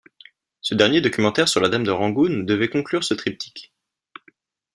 Ce dernier documentaire sur la Dame de Rangoon devait conclure ce triptyque.